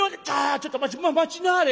ちょっと待ち待ちなはれ！